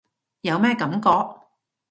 有咩感覺？